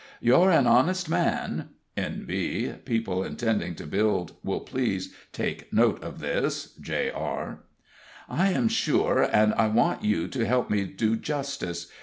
You're an honest man (N.B. People intending to build will please make a note of this. J.R.), I am sure, and I want you to help me do justice.